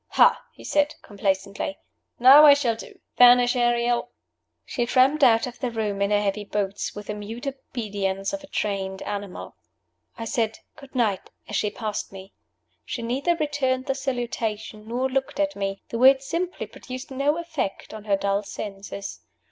"Ha!" he said, complacently; "now I shall do. Vanish, Ariel!" She tramped out of the room in her heavy boots, with the mute obedience of a trained animal. I said "Good night" as she passed me. She neither returned the salutation nor looked at me: the words simply produced no effect on her dull senses.